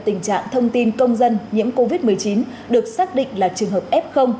tình trạng thông tin công dân nhiễm covid một mươi chín được xác định là trường hợp f